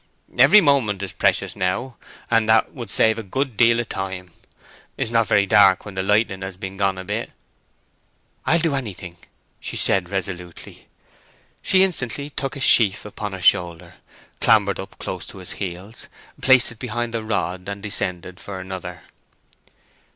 "Every moment is precious now, and that would save a good deal of time. It is not very dark when the lightning has been gone a bit." "I'll do anything!" she said, resolutely. She instantly took a sheaf upon her shoulder, clambered up close to his heels, placed it behind the rod, and descended for another.